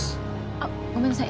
あっごめんなさい